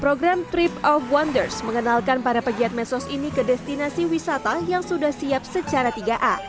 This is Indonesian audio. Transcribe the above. program trip of wonders mengenalkan para pegiat mesos ini ke destinasi wisata yang sudah siap secara tiga a